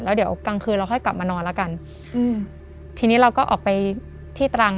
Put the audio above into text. แล้วเดี๋ยวกลางคืนเราค่อยกลับมานอนแล้วกันอืมทีนี้เราก็ออกไปที่ตรัง